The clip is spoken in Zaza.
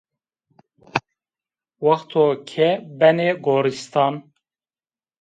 Wexto ke benê goristan